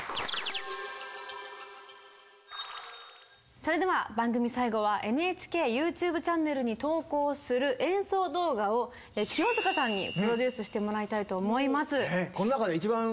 それでは番組最後はＮＨＫＹｏｕＴｕｂｅチャンネルに投稿する演奏動画を清塚さんにプロデュースしてもらいたいと思います。